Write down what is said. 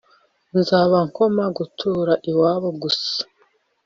Zabankoma gutura iwabo gusa